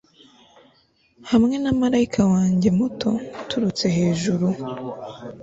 hamwe na marayika wanjye muto uturutse hejuru